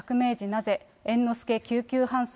なぜ、猿之助救急搬送。